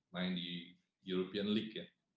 main di european league ya